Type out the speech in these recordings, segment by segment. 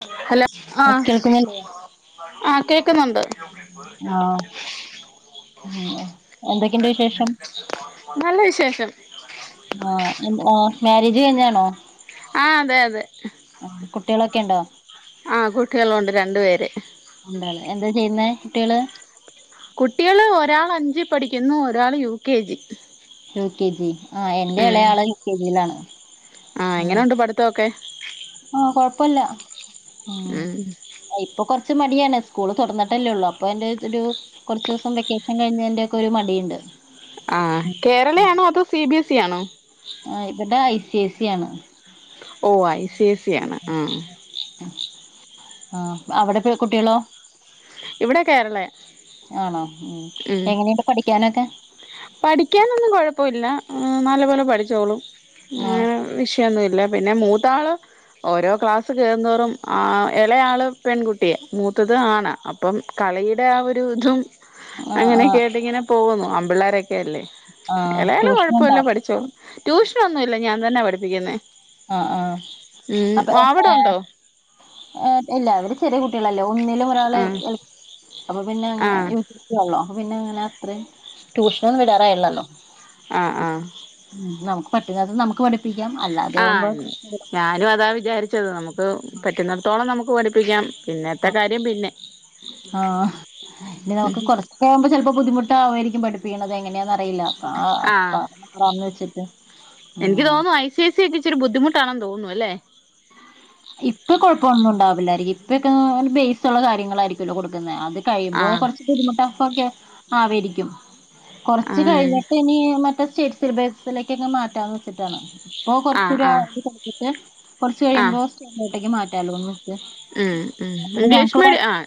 Hello കേൾക്കുന്നല്ലേ ആഹ് കേക്കുന്നുണ്ട് ആ എന്തൊക്കെയണ്ട് വിശേഷം ശേഷം ആഹ എ മാരേജ് കഴിഞ്ഞാണോ ആഹ് അതെ അതെ കുട്ടികൾയുണ്ടോ ആഹ് കുട്ടികളൊണ്ട് രണ്ട് പേര് എന്താണ് എന്താ ചെയ്യ്ന്നേ കുട്ട്യാള് കുട്ടികള് ഒരാള് അഞ്ചി പഠിക്കുന്നു ഒരാള് U K G U K G ആഹ് എന്റെ ഉം എളെയാള് യു കെ ജിയിലാണ് ആഹ് ഉം എങ്ങനൊണ്ട് പഠിതൊക്കെ മ് ഉം ഇപ്പൊ കൊഴപ്പ - ച്ച് മടിയാണ് സ്കൂള് തൊറന്നിട്ടല്ലേ ഉള്ളൂ അപ്പൊ അതിന്റെ ഒരു കൊറച്ച് ദിവസം വെക്കേഷൻ കഴിഞ്ഞേന്റെക്കെ ഒരു മടീണ്ട് ആഹ് കേരളയാണോ അതോ സി ബി എസ് സി ആണോ ആഹ് ഇവിടെ ഐ സി എ സിയാണ് ഓ ഐ സി എ സിയാണ് ആഹ് ആഹ് അവടെ [unintelligible] കുട്ടികളോ ഇവിടെ കേരളയാ ആണോ ഉം മ് എങ്ങനെയുണ്ട് പഠിക്കാനൊക്കെ പഠിക്കാനൊന്നും കൊഴപ്പോല്ല ആഹ് നല്ലപോലെ പഠിച്ചോളും ആഹ് അങ്ങ വിഷയോന്നൂല അല്ല പിന്നെ മൂത്താള് ഓരോ ക്ലാസ് കേറ്ന്തോറും ഇലയാള് പെൺകുട്ടി, മൂത്തത് ആണ്. അപ്പം കളിടെ ആ ഒര്തും ആഹ് ആഹ് അങ്ങനെക്കെയായ്ട്ടിങ്ങനെ പോവുന്നു ആമ്പിള്ളേരക്കെ അല്ലേ ആഹ് എളയാള് ട്യൂഷനുണ്ടോ? കൊഴപ്പല്ല പഠിച്ചോളും ട്യൂഷ്നൊന്നൂല്ല ഞാൻ തന്നാ പഠിപ്പിക്ക്ന്നേ ആ ആ അപ്പ അവിടെ ഏ ഉണ്ടോ ഏ പിന്നെ അവര് ചെറ്യേ കുട്ട്യേക്ളൽ ല്ലെ ഒന്നിലും ഒരാള് എ ആഹ് എൽ അപ്പൊ പിന്നെ അങ്ങനെ ആഹ് [unintelligible] യള്ളോ അപ്പ പിന്നെ അങ്ങനെ അത്രയും ട്യൂഷനൊന്നും വിടാറായില്ലല്ലോ ആഹ് ആഹ് [unintelligible] പറ്റ്ന്നതും നമക്ക് പടി പ്പിക്കാം അല്ല ആഹ് ഞാനും അതാ വിചാരി ച്ചത് നമക്ക് പറ്റുന്നിടത്തോളം ന പൂ പഠിപ്പിക്കാം പിന്നത്തെ കാര്യം പിന്നെ ആഹ് ആഹ് ഇനി ഉം നമുക്ക് കുറച്ചൊക്കെ ആമ്പോ ചെലപ്പോ ബുദ്ധി ട്ടാവുമാരിക്കും പഠിപ്പിക്കണത് എങ്ങനെയാന്ന് അറിയില്ല ആ അപ്പ ആഹ് അപ്പ ആന്ന് വെച്ചിട്ട് ഉം എനിക്ക് തോന്നുന്നു ഐ സി ഐ സി ഒക്കെ ഇച്ചിരി ബുദ്ധിമുട്ടാണെന്ന് തോന്നുന്നു അല്ലേ ള്ളാരിക്കും ഇപ്പൊക്കെ ന്ന് പറഞ്ഞ ബേസ് ഉള്ള കാര്യങ്ങൾ ആയിരിക്കുല്ലോ കൊടുക്കുന്ന അത് കൈയുമ്പോ ആഹ് കൊറച്ച് ബുദ്ധിമുട്ട്, ടഫ് ഒക്കെ ആ വേടിക്കും കൊറച്ച് ആഹ് കഴിഞ്ഞിട്ട് ഇനി മറ്റേ സ് സ്റ്റേറ്റ് സിലബസിലേക്ക് അങ്ങ് മാറ്റാമെന്നു വെച്ചിട്ടാണ് അപ്പോ ആഹ് കൊറച്ചുടെ ആവും ആഹ് ഇത് കഴിഞ്ഞിട്ട് കുറച്ച് കഴിയുമ്പോ അങ്ങോട്ടേക്ക് മാറ്റാലോന്ന് വെച്ച് ആ ആ പിന്നെ ഞങ്ങക്ക് ഇംഗ്ലീഷ് ഇവിടെ മീഡിയം ആ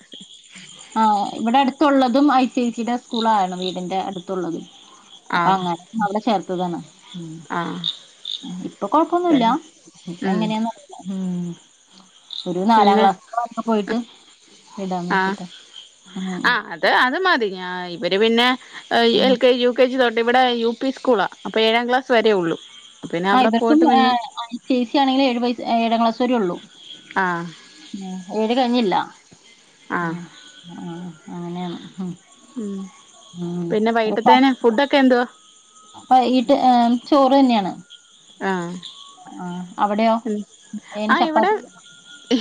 ആ ഇവിടെ അടുത്തുള്ളതും ഐ സി ഐ സി യുടെ സ്കൂളാണ് വീടിന്റെ അടുത്തുള്ളതും അപ്പൊ ആഹ് അങ്ങനെ അവിടെ ചേർ തതാണ് ഉം ആഹ് ഇപ്പൊ കൊഴപ്പൊന്നും ഇല്ല പിന്നെ ഇപ്പ ഉം എങ്ങനെയാന്ന് അറിയില്ല ഉം ഒരു നാലാം പിന്നെ ക്ലാസ്സക്കെ അവിടെ പോയിട്ട് വിടാന്നു ആഹ് വച്ചിട്ട് ആ ഉ ആ ഇവര് പിന്നെ ഏഹ് L K G U K G തൊ ട്ടിവിടെ യു പി സ്കൂളാ അപ്പൊ ഏഴാം ക്ലാസ് വരേ ഒള്ളൂ. ആ ഇവർക്കും ഐ സി സി ആണെങ്കില് ഏഴു വയസ് ഏഴാം ക്ലാസ് വരെ ഒള്ളു. ആഹ് [unintelligible] ത് കഴിഞ്ഞില്ല ആഹ് ആഹ് അങ്ങനെയാണ് ഹും ഉം പിന്നെ വൈകിട്ടത്തേന് ഫുഡൊക്കെ എന്തുവാ? ആ വൈകിട്ട് ചോറ് തന്നെയാണ്. ആഹ് ആഹ് അവിടെയോ ഉം ഏന് ആ ഇവിടെ ചപ്പാത്തി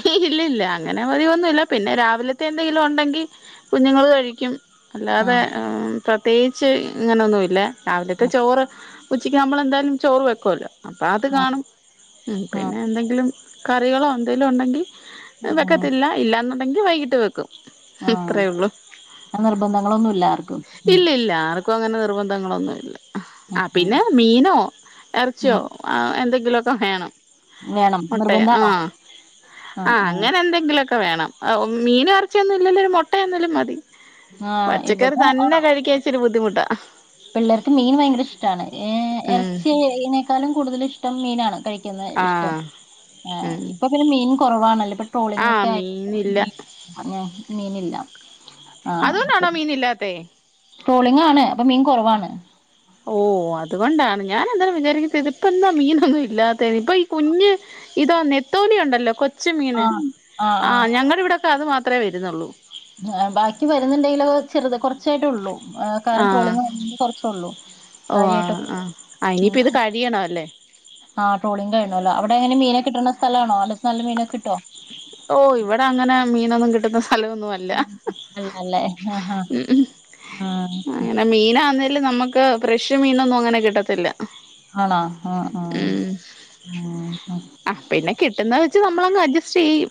ഹേ ഇല്ലില്ല. അങ്ങനെ പതിവൊന്നുമില്ല പിന്നെ രാവിലത്തെ എന്തെങ്കിലും ഒണ്ടെങ്കിൽ കുഞ്ഞുങ്ങള് കഴിക്കും അല്ലാതെ ആഹ് ം പ്രത്യേകിച്ച് ഇങ്ങനെയൊന്നും ഇല്ലെ രാവിലത്തെ ചോറ് ഉച്ചക്ക് നമ്മൾ എന്തായാലും ചോറ് വെ കൊല്ലം പ്പ അത് ആഹ് കാണും ആഹ് പിന്നെ എന്തെങ്കിലും കറികളോ എന്തെലും ഒണ്ടെങ്കിൽ ആഹ് വെക്കത്തില്ല ഇല്ലാന്ന് [unintelligible] വൈകിട്ട് വെക്കും ആഹ് ഇത്രേ ഉള്ളൂ നിർബന്ധങ്ങളൊന്നുല്ല ആർക്കും ഉം ഇല്ല ഇല്ല ആർക്കും അങ്ങനെ നിർബന്ധങ്ങളൊന്നുല്ല ഉം ആ ഉം പിന്നെ മീനോ എറച്ചിയോ ഉം അ എന്തെ [unintelligible] ലൊക്കെ വേണം വേണം മുട്ടയാ നിർബന്ധാണോ ആഹ് ആഹ് അങ്ങനെ എന്തെങ്കിലൊ വേണം ഓ മീനാറച്ചിയൊന്നും ഇല്ലേലും ഒരു മുട്ട എന്നാലും മതി അഹ് പച്ചക്കറി ഇവടെ തന്നെ കഴിക്കാൻ ഇച്ചിരി ബുദ്ധിമുട്ടാ. പിള്ളേർക്ക് മീൻ ഭയങ്കര ഇഷ്ടാണ് ഏ ഉം എറച്ചിയനേക്കാളും കൂടുതൽ ഇഷ്ടം മീനാണ് കഴിക്കുന്നെ ഇഷ്ടം ആഹ് ഏഹ് ഉം ഇപ്പ പിന്നെ മീൻ കൊറവാണല്ലോ ഇപ് ആഹ് ട്രോളിംക്കെ ആയി മീനില്ല ഞ് ഞ്ഞേ മീനില്ല അതുകൊണ്ടാണോ മീന് ഇില്ലാത്തെ ട്രോളിങ്ങാണ് അപ്പൊ മീൻ കുറവാണ് ഓ അതുകൊണ്ടാണ് ഞാൻ എന്താ വിചാരിക്കുന്നത് ഇതിപ്പന്താ മീനൊന്നും ഇല്ലാത്ത ഇപ്പൊ ഈ കുഞ്ഞ് ഇതോ നെത്തോലിയ ഉണ്ടല്ലോ കൊ കൊച്ച് മീന് ആഹ്. ആഹ് ആ ഞങ്ങൾ ഇവിടെ അത് മാത്ര വരുന്നുള്ളൂ ആ ബാക്കി വരുന്നുണ്ടെങ്കിലോ ചെറുത് കുറച്ചായിട്ടേ ഉള്ളൂ എ കാരണം ആഹ് ട്രോളിങ് കുറച്ചൊള്ളൂ ഓഹ് കാരിയായിട്ട് ആഹ് ആഹ് ഇനിയിപ്പ ഇത് കഴിയണം അല്ലേ ആ ട്രോളി കഴണല്ലോ അവിടെങ്ങനെ മീന കിട്ടണ സ്ഥലണോ അതു നല്ല മീനൊക്കെ കിട്ടോ? ഓ ഇവിടെ അങ്ങനെ മീ ന്നൊന്നു കിട്ടുന്നസ് ഹലോന്നുല്ല അല്ലല്ലേ ആഹാ ഉം ഉം ആഹ് അങ്ങനെ മീനാന്ന് ൽ നമുക്ക് ഫ്രഷ് മീനൊന്നും അങ്ങനെ കിട്ടത്തില്ല ആണാ ആഹ് ആഹ് ഉം ഉം ഉം. റ്റ് നമ്മളങ് അട്ജ ശ്രീയും.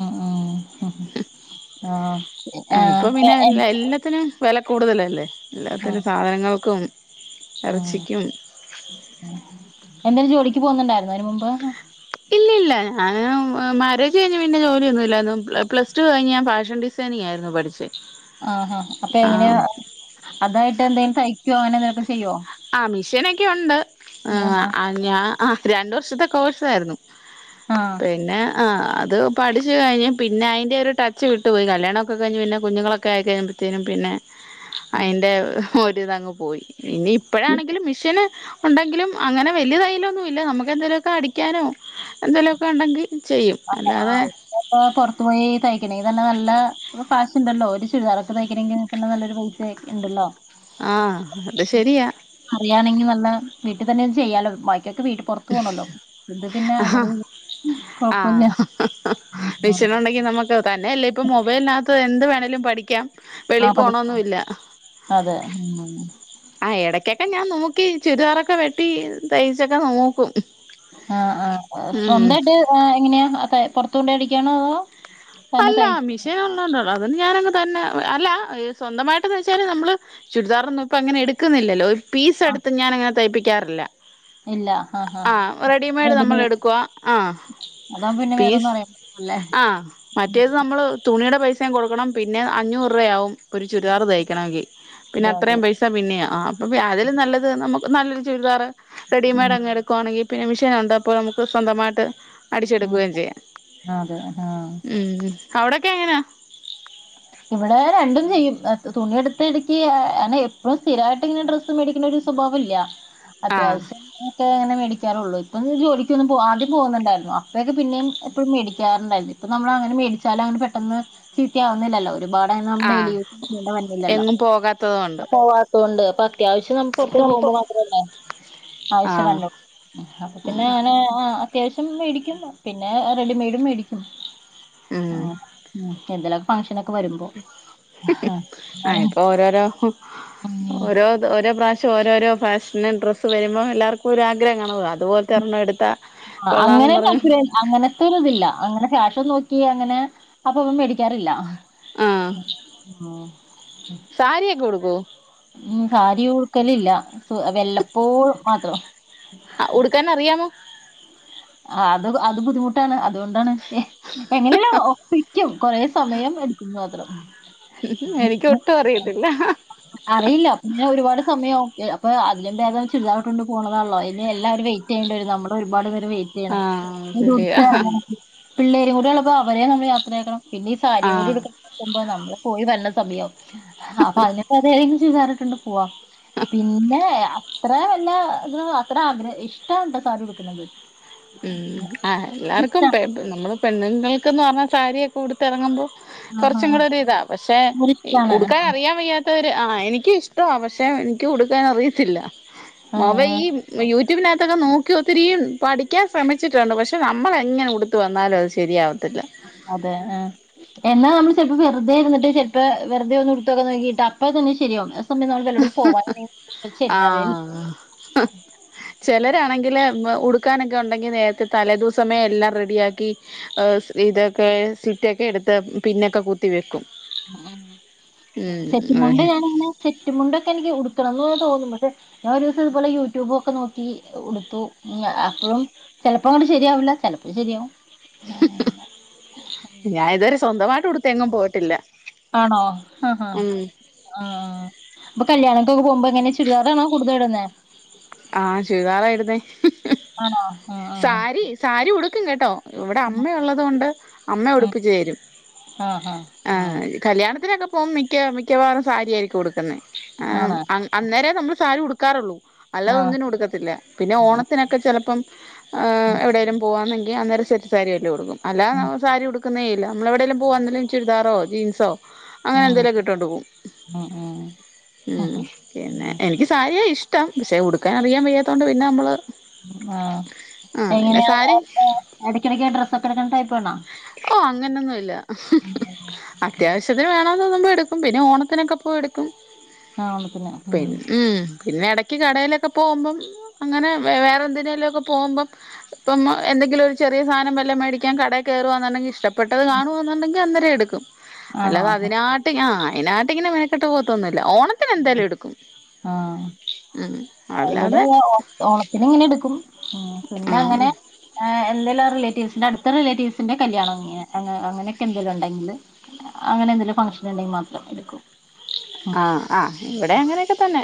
ഉം ഉ ഉം ആഹ്. ആഹ് ഇപ്പൊ പിന്നെ എല്ല എല്ലത്തിനും വെല കൂടുതലല്ലേ. ആഹ് എല്ലാത്തിനും സാധനങ്ങൾക്കും. ആഹ്. എറച്ചിക്കും എന്തേ ജോലിക്ക് പോകുന്നുണ്ട ന്നന് മുമ്പ് ആഹ്. ഇല്ല ഇല്ല ഞാന് മാരേജ് കഴിഞ് പിന്നെ ജോലിയൊന്നും ഇല്ലാരുന്നു പ്ലസ്ടു കഴിഞ്ഞ് ഞാൻ ഫാഷൻ ഡിസൈനിങ് ആരുന്നു പഠിച്ചെ ആഹ് ആ അപ്പൊ എങ്ങനെയ അതായി എന്തെലും തയ്ക്കോ അങ്ങനെന്തേലും ആ മിഷനൊക്കെ ഒണ്ട് ആഹ് അ ഞാ ആഹ്. രണ്ട് വർഷത്തെ കോഴ്സാരുന്നു. ആഹ് പിന്നെ ആഹ് അത് പഠിച്ച് കഴിഞ്ഞ് പിന്നെ അയിൻ്റെ ഒരു ടച്ച് വിട്ടു പോയി. കല്യാണൊക്കെ കഴിഞ്ഞ് പിന്നെ കുഞ്ഞുങ്ങളൊക്കെ ആയി കഴിയുമ്പോഴത്തേനും പിന്നെ ഉം. അയിന്റെ രിതങ്ങ് പോയി ഇനി ണ്ടെങ്കിലും അങ്ങനെ വലിയ തൈലൊന്നും ഇല്ല നമുക്ക് എന്തേലുക്കെ അടിക്കാനോ എന്തേലുക്കെ ഒണ്ടെങ്കി ആഹ് [unintelligible] പൊറത്തു പോയി തയ്ക്കണേ തന്നെ നല്ല ഒരു ഫാഷ് ഇണ്ടല്ലോ ഒരു ചു ചുരിതാറൊക്കെ തയ്ക്കണെങ്കി തന്നെ നല്ലൊരു [unintelligible] ഇണ്ടല്ലോ. ആഹ് അത് ശെരിയാ. റ്റ്തന്നെ ചെയ്യാലോ ബാക്ക്യൊ ക്ക് വീട്ട് പൊർത്ത് പോണോല്ലോ ഇത് പിന്നെ ആഹ് അങ്ങനെന്നും കൊ ആഹ് വിഷനുണ്ടെങ്കി നമക്ക് തന്നെയല്ലേ ഇപ്പം മൊബൈലിനകത്ത് എന്ത് വേണേലും പഠിക്കാം. വെളി ആഹ് പഠിക്കാം പോണൊന്നുല്ല അതെ ഉം ഉം ആഹ് എടയ്ക്കെക്കെ ഞാൻ നോക്കി ചുരിദാറൊക്കെ വെട്ടി തയ്ച്ചൊക്കെ നോക്കും. ആഹ് ആഹ് ഉം സ്വന്തയിട്ട് എങ്ങനെയാ [unintelligible] പൊർത്തൊണ്ടോയി അടിക്കണോ അതോ തന്നെ അല്ലാ തയ്ച്ച് മിഷേൻ ഉള്ളാണ്ട അതും ഞാനങ് തന്നെ അല്ല സ്വന്തമായിട്ടതൈച്ചാലും നമ്മള് ചുരിദാർന്നും ഇപ്പ അങ്ങനെ എടുക്കുന്നില്ലല്ലോ പീസ് എടുത്ത് ഞാനങ്ങനെ തയ്പ്പി ക്ക്യാറില്ല ഇല്ല ആഹ് ഹാ നമ്മൾ റെഡിമെയ്ഡ് എടുക്കുവ ആഹ് അതാവുമ്പൊ പിന്നെ പീസ് വേറൊന്നും അറിയ [unintelligible] ല്ലേ ആഹ് മറ്റേത് നമ്മള് തുണിയുടെ പൈസയും കൊടുക്കണം പിന്നെ അഞ്ഞൂറ്യാവും- ഒരു ചുരിദാറ് തയ്ക്കണമെങ്കിൽ പിന്നെ അതെ അതെ അത്രയും പൈസ പിന്നെയ ആ- അപ്പം യതിലും നല്ലത് നമുക്ക് നല്ലൊരു ചുരിദാറ് ഉം റെഡിമേഡ് അങ് എടുക്കവാണെങ്കി- പിന്നെ മിഷീൻ ഉണ്ടപ്പോനമുക്ക് സ്വന്തമായിട്ട്- ഉം അടിച്ചെടുക്കുകയും ചെയ്യാം ആ അതെ ആഹ് ഉം മ് അവിടെ- ക്കെ എങ്ങനാ- ഇവിടെ രണ്ടും ചെയ്യും തുണിയ എടുത്ത് ഇടുക്കക്ക്നെ എപ്പോഴും സ്ഥിരായിട്ട് ഇങ്ങനെ ഡ്രസ്സ് മേടിക്കുന്ന ഒരു സ്വഭാവം ഇല്ല ആഹ് അത്യാവശ്യത്തിനൊക്കെ അങ്ങനെ മേടിക്കാറുള്ളൂ- ഇപ്പം [unintelligible] ജോലിക്ക് ഒന്നും പോ ആദ്യം പോകുന്നുണ്ടായിരുന്നു അപ്പയൊക്കെ പിന്നെയും എപ്പഴും മേടിക്കാറുണ്ടായിരുന്നു ഇപ്പൊ നമ്മളങ്ങനെ മേടിച്ചാല അങ്ങട് പെട്ടെന്ന് ചീത്തിയാവുന്നില്ലല്ലോ ഇവിടെ നാം ഡെയിലി ആഹ് യൂ സ്ചെയ്യേണ്ട മന്നല്ലല്ലോ എങ്ങും പോകാത്തത് കൊണ്ട് പോവാത്തൊണ്ട് അത്യാവശ്യം നമ്മ പുറത്ത് പോകുമ്പോ മാത്രല്ലേ ആവശ്യം ആഹ് വരണൊ അപ്പൊ പിന്നെ ഞാന് ആ അത്യാവശ്യം മേടിക്കും പിന്നെ റെഡിമെയ്ഡും മേടിക്കും ഉം ആഹ് ഉം എന്തേലും ഫങ്ഷനൊക് വരുമ്പോ ആഹ് ആഹ് അങ്ങനെ- ഇപ്പൊ ഓരോരോ ഉം ഓരോ ഓരോ പ്രാവശ്യം പക്ഷേ ഓരോരോ ഫാഷന് ഡ്രസ്സ് വരുമ്പോൾ എല്ലാവർക്കും ആഗ്രഹം കാണതാണ ഉം അങ്ങനെ പറഞ്ഞ് [unintelligible] അങ്ങനത്തെ ഒര് ഇതില്ല അങ്ങനെ ക്യാഷൊന്നും നോക്കി അങ്ങനെ അപ്പൊ അവൻ മേടിക്കാറില്ല ആഹ് ആഹ്. സാരിയൊക്കെ ഉടുക്കൊ ഉം സാരി ഉടുക്കലില്ല സ വെല്ലപ്പോഴും മാത്രം- അ ഉടുക്കാൻ അറിയാമോ ആ അത് അത് ബുദ്ധിമുട്ടാണ് അതുകൊണ്ടാണ് ഏ- എങ്ങനേലും ഒപ്പിക്കും കൊറെ സമയം എടുക്കുംന്ന് മാത്രം എനിക്ക് അ ഒട്ടും അറിയത്തില്ല അറിയില്ല ഇഞൊരു പ്പാട് സമയാവും [unintelligible] പ്പ അതിനും ഭേതം ചുരിതാറ്ട്ടോണ്ട് പോണതാല്ലോ അല്ലേ എല്ലാരും വെയ്റ്റെയ്യേണ്ടി വരും നമ്മടെ ഒരു പാട് നേരം വെ റ്റെയ്യണം ആഹ് ശരിയാ [unintelligible] പിള്ളേരും കൂടിള്ളപ്പോ ഒരേ സമയം യാത്രയാക്കണം. പിന്നെ ഈ സാരിയും കൂടി ആഹ് [unintelligible] ക്കുമ്പോ നമ്മള് പോയി വെള്ള സമയാവും അപ്പൊ അതിനെ [unintelligible] ചുരിദാറ് [unintelligible] [unintelligible] പോവ പിന്നെ അത്ര പിന്നേ ഇതിന് അത്ര [unintelligible] ഇഷ്ടോണ്ട് സാരി ഉടുക്കണത്. ഉം ആഹ് എല്ലാർക്കും [unintelligible] നമ്മള് പെണ്ണുങ്ങൾക്കെന്ന് പറഞ്ഞാൽ സാരിയൊക്കെ ഉടുത്തെറങ്ങുമ്പോ ആഹാ കൊറച്ചും കൂടെ ഒരു ഇതാ. പക്ഷെ ഇഷ്ടാണ് ഉടുക്കാൻ അറിയാൻ വയ്യാ [unintelligible] ആഹ് എനിക്കും ഇഷ്ടവാ. പക്ഷെ എനിക്ക് ഉടുക്കാൻ അറിയത്തില്ല. ആ ആ, മൊബൈയീം യൂ ട്യൂബിനകത്തൊക്കെ നോക്കി ഒത്തിരീം പഠിക് കാൻ ശ്രമിച്ചിട്ടൊണ്ട്. പക്ഷേ നമ്മെങ്ങനെടുത്ത് വന്നാലും അത് ശരിയാവ അതെ ആഹ്. എന്നാ നമ്മള് ചെലപ്പം വെ റുതെ ഇരുന്നിട്ട് ചെലപ്പോ വെറുതെ ഒന്നുടുത്ത് നോക്കാൻ നോക്കിയിട്ട് അപ്പോ തന്നെ ശരിയാവും. [unintelligible] നമ്മള് വല്ലടൂത്തും പോവാനാണെങ്കി പോലും ആഹ് ചെലരാണെങ്കില് ഉടുക്കാനൊക്കെഉണ്ടെങ്കി നേരത്തെ തലേദിവസമേ എല്ലാം റെഡിയാക്കി ഇതൊക്കെ സിറ്റൊക്കെ എടുത്ത് പിന്നൊക്കെ കുത്തി വെക്കും സെറ്റുമുണ്ട് ഉം ഞാനങ്ങനെ സെറ്റുമുണ്ടൊക്കെ എനിക്ക് ഉട് ക്കണം [unintelligible] തോന്നും പക്ഷെ ഞാൻ ഒരു ദിവസം ഇതുപോലെ യൂട്യൂബ് ഒക്കെ നോക്കി ഉടുത്തു അപ്പഴും ചെലപ്പോ അത് ശരിയാവില്ല ചിലപ്പോ ശരിയാവും ഞാനി ഇത് വരെ സ്വന്തമായി ട്ട് ഉടുത്തെങ്ങും പോയിട്ടില്ല ആണോ ആഹ് ഉം അ കല്യാണൊക്കെക്കെ പോകുമ്പോ എങ്ങനെ ചുരിദാറാണോ കൂടുതൽ ഇട്ന്നേ ആഹ് ചുരിതാറായിരുന്നേ ആണോ ആഹ് ആഹ് സാരി സാരി ഉടു ക്കും കേട്ടോ ഇവിടെ ഉം അമ്മ ഉള്ളത് കൊണ്ട് അമ്മ ഉം ഉടുപ്പിച്ചു തരും ആഹ് ആഹ് ആഹ് കല്യാണത്തിനൊക്കെ അപ്പം മിക്ക മിക്കവാറും സാരിയായിരിക്കും ഉടുക്കുന്നെ ആഹ് ആണ് അ അന്നേരം നമ്മള് സാരി ഉടുക്കാറുള്ളൂ ആഹ് അല്ലാതൊന്നിനും ഉടുക്കത്തില്ല പിന്നെ ആഹ് ഓണത്തിനൊക്കെ ചെലപ്പം ഉം എവിടെലും പോവന്നെ ങ്കി അന്നേരം സെറ്റ് സാരിയായിട്ട് ഉടുക്കും അല്ല ഉം സാരി ഉടുക്കുന്നേയില്ല നമ്മളെവിടെലും പോവണ്ടേല് ചുരിദാറോ ജീൻസോ അങ്ങനെ ഉം എന്തെലുവൊക്കെ ഇട്ടോണ്ട് പോവും ഉം ഉം ഉം മ് ഉം പിന്നെ എനിക്ക് സാരിയാ ഇഷ് പക്ഷേ ഉടുക്കാനറിയാൻ വയ്യാത്ത കൊണ്ട് പിന്നെ നമ്മള് ആ ആഹ് പിന്നെ എങ്ങനെയാ സാരി [unintelligible] എടക്കെടക്ക് ഡ്രസ്സൊക്കെ എടുക്കണ ടൈ ഓ അങ്ങനൊന്നുല്ല അത്യാവശ്യത്തിന് വേണോ ന്നു തോന്നുമ്പം എടുക്കും പിന്നെ ഓണത്തിനൊക്കെ പോയി എടുക്കും ആ ഓണത്തിന് മ് പിന്നെ ഉം പിന്നെ എടയ്ക്ക് കടേലൊക്കെ പോകുമ്പം അങ്ങനെ വേറെ എന്തിനേലുമൊക്കെ പോകുമ്പം ഇപ്പം എന്തെങ്കിലും ഒരു ചെറിയ സാധനം വല്ല മേടിക്കാൻ കടേ കേറുവാന്നുണ്ടെങ്കിൽ ഇഷ്ട പെട്ടത് കാണുവാന്നുണ്ടെങ്കി അന്നേരം എടുക്കും ആണോ അല്ലാതെ അതിനാട്ട് ഞാൻ അതിനാട്ട് ഇങ്ങനെ മെനക്കെട്ട് പോവത്തൊന്നു ല്ല ഓണത്തിന് എന്തായാലും എടുക്കും ആഹ് മ് ഇവിടെ ഓ ഓണത്തിന് ഇങ്ങനെ എടുക്കും പിന്നങ്ങനെ ഉം ഏ എന്തെലും റിലേറ്റിവ്സിന്റെ അടുത്ത റിലേറ്റീവ്സിന്റെ കല്യാണം അങ്ങ അങ്ങനെക്കെ എന്തെലും ഒണ്ടെങ്കിൽ അങ്ങനെ എന്തെലും ഫഗ്ഷൻ ഇണ്ടെൽ മാത്രം എടുക്കും ആ ആ ഇവിടെ അങ്ങനെയൊക്കെ തന്നെ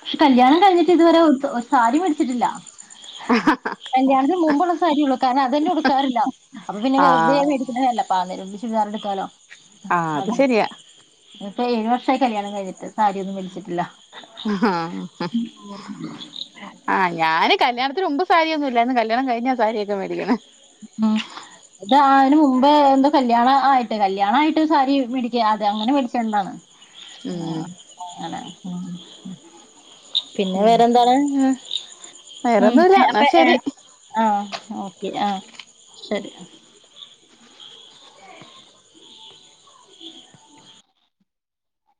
പക്ഷെ കല്യാണം കഴിഞ്ഞിട്ട് ഇതുവരെ ഒരു സാരി മേടിച്ചിട്ടില്ല കല്യാണത്തിന് മുമ്പുള്ള സാരി ഉള്ളൂ കാരണം അത് തന്നെ ഉടുക്കാറില്ല അപ്പൊ പിന്നെ വെറുത ആഹ് മേടിച്ചിട്ട് കാര്യല്ല പ ആ നേരം ഒരു ചുരിദാറെടുക്കാലോ ആഹ് അത് അത ശരിയാ ഇപ്പൊ ഏഴ് വർഷമായി കല്യാണം കഴിഞ്ഞിട്ട് സാരിയൊന്നും മേടി ച്ചിട്ടില്ല ഹാ ആ ഞാന് കല്യാണത്തിന് മുമ്പ് സാരിയൊന്നും ഇല്ലാരുന്നു കല്ല്യാണം കഴിഞ്ഞാ സരിയൊക്ക മേടിക്ക്ണെ ഉം ഇത് ആന് മുമ്പേ എന്തൊ കല്ല്യാണ ആയിട്ട് കല്യാണ ആയിട്ട് സാരി മേടിക്ക അതെ അങ്ങനെ മേടിച്ച് തന്നതാണ് ഉം ആ അങ്ങനെ ഉം പിന്നെ വേറെന്താണ് ആ ഉം വേറൊന്നുല്ല അപ്പ എന്നാ ഏ ശരി ആ ഓക്കെ ആ ശരി